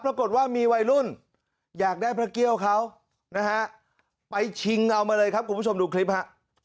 ปรากฏว่ามีวัยรุ่นอยากได้พระเกี่ยวเขานะฮะไปชิงเอามาเลยครับคุณผู้ชมดูคลิปฮะ